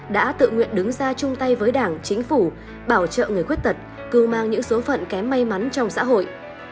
đã tự nguyện đứng ra chung tay với đảng chính phủ bảo trợ người khuyết tật cư mang những số phận kém may mắn trong xã hội